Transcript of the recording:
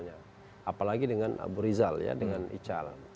apalagi dengan abu rizal ya dengan ical